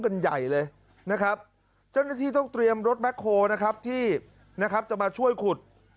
เจ้านักที่ต้องเตรียมรถแม็กโหลที่จะมาช่วยขุด